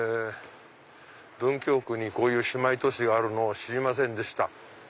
文京区にこういう姉妹都市があるのを知りませんでした。